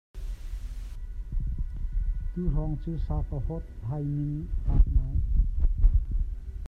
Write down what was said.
Tuhrawng cu sa ka hawthai ning a fak ngai.